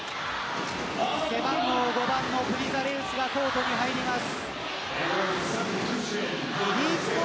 背番号５番のプリザレウスがコートに入ります。